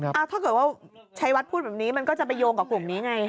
ถ้าเกิดว่าชัยวัดพูดแบบนี้มันก็จะไปโยงกับกลุ่มนี้ไง